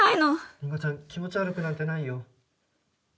りんごちゃん気持ち悪くなんてないよ